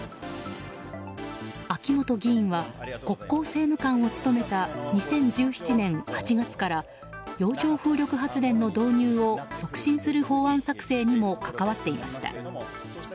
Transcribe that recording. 秋本議員は、国交政務官を務めた２０１７年８月から洋上風力発電の導入を促進する法案作成にも関わっていました。